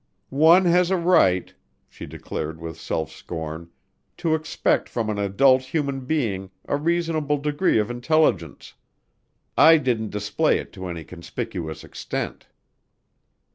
"One has a right," she declared with self scorn, "to expect from an adult human being, a reasonable degree of intelligence. I didn't display it to any conspicuous extent."